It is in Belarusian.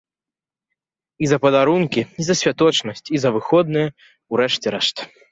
І за падарункі, і за святочнасць, і за выходныя, у рэшце рэшт.